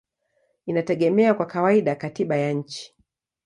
inategemea kwa kawaida katiba ya nchi.